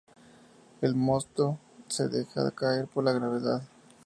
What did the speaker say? El mosto se deja caer por gravedad.